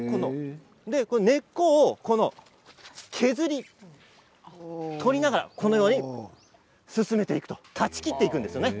根っこを削り取りながらこのように進めていく断ち切っていくんですね。